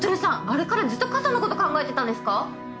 あれからずっと傘のこと考えてたんですか？